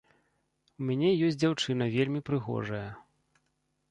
У мяне ёсць дзяўчына, вельмі прыгожая.